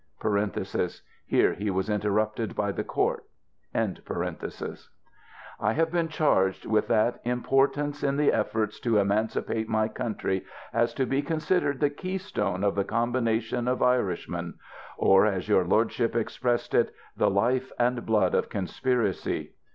[Here he was interrupted by the court.'] I have been charged with that importance in the efforts to emancipate my country, as to be considered the key stone of the combination of Irishmen ; or, as your lordship expressed it, " the life and blood of conspiracy."